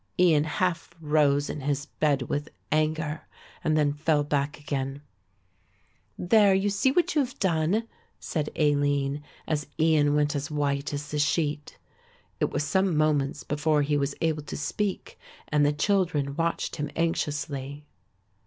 Ian half rose in his bed with anger and then fell back again. "There you see what you have done," said Aline, as Ian went as white as the sheet. It was some moments before he was able to speak and the children watched him anxiously.